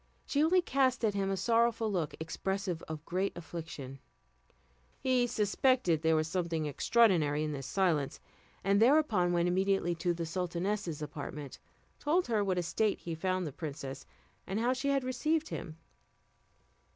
She only cast at him a sorrowful look, expressive of great affliction. He suspected there was something extraordinary in this silence, and thereupon went immediately to the sultaness's apartment, told her in what a state he found the princess, and how she had received him.